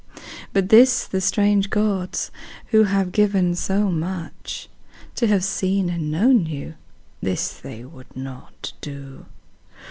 But this the strange gods, who had given so much, To have seen and known you, this they might not do.